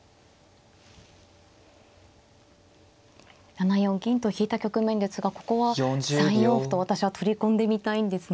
７四銀と引いた局面ですがここは３四歩と私は取り込んでみたいんですが。